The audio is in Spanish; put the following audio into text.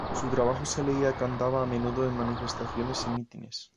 Su trabajo se leía y cantaba a menudo en manifestaciones y mítines".